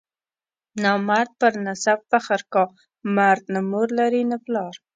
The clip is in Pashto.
نامرد پر نسب فخر کا، مرد نه مور لري نه پلار.